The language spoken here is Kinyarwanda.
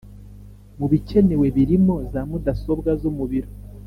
Mu bikenewe birimo za mudasobwa zo mu biro